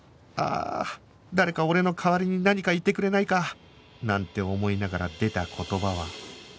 ああ誰か俺の代わりに何か言ってくれないか！なんて思いながら出た言葉は